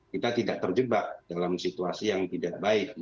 kita tidak terjebak dalam situasi yang tidak baik